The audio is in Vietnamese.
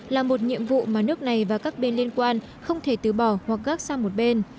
là một nhiệm vụ mà nước này và các bên liên quan không thể tứ bỏ hoặc gác sang một bên